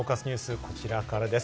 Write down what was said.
まずはこちらからです。